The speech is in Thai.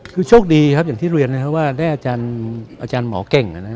คือโชคดีครับอย่างที่เรียนนะครับว่าได้อาจารย์หมอเก่ง